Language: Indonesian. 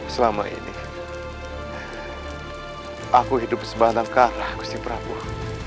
selama ini aku hidup sebadan karena kusip rapuh